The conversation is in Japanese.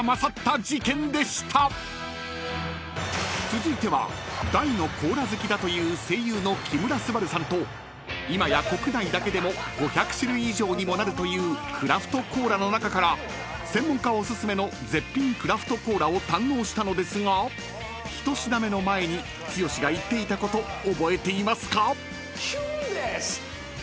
［続いては大のコーラ好きだという声優の木村昴さんと今や国内だけでも５００種類以上にもなるというクラフトコーラの中から専門家お薦めの絶品クラフトコーラを堪能したのですが１品目の前に剛が言っていたこと覚えていますか？］